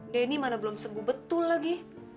denny mana belum sembuh betul lagi